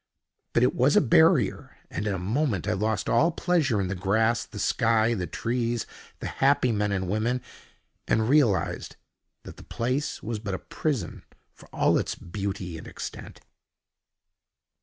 But it was a barrier, and in a moment I lost all pleasure in the grass, the sky, the trees, the happy men and women, and realized that the place was but a prison, for all its beauty and extent.